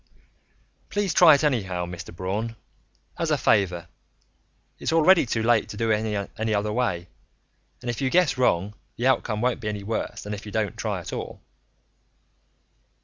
"Please try it anyhow, Mr. Braun as a favor. It's already too late to do it any other way. And if you guess wrong, the outcome won't be any worse than if you don't try at all."